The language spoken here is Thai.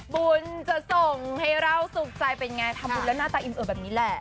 บุญจะส่งให้เราสุขใจเป็นไงทำบุญแล้วหน้าตาอิ่มเอ่อแบบนี้แหละ